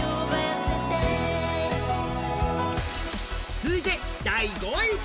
続いて第５位。